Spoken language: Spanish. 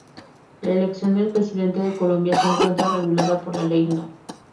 La elección del Presidente de Colombia se encuentra regulada por la Ley No.